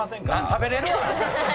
食べれるわ！